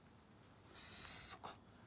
そっか。